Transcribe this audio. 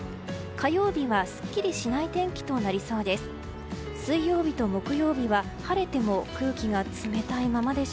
火曜日はスッキリとしない天気なりそうです。